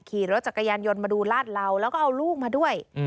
ขี่รถจักรยานยนต์มาดูลาดเหลาแล้วก็เอาลูกมาด้วย